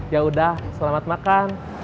ya udah selamat makan